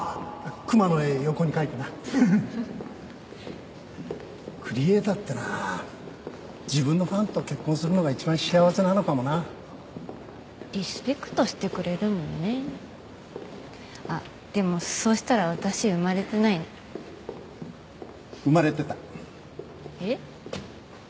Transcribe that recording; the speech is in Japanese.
熊の絵横に描いてなふふふっふふっクリエイターってのは自分のファンと結婚するのが一番幸せなのかもなリスペクトしてくれるもんねあっでもそうしたら私生まれてないね生まれてたえっ？